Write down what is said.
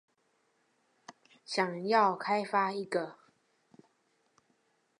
想要開發一個